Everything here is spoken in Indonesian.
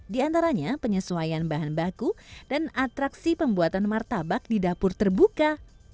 di antaranya penyesuaian bahan baku dan atraksi pembuatan martabak di dapur terbuka